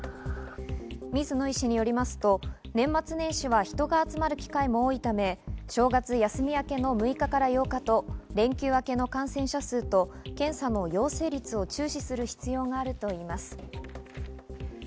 水野医師によりますと、年末年始は人が集まる機会も多いため、正月休み明けの６日から８日と連休明けの感染者数と検査の陽性率を注視する必要があるといいます。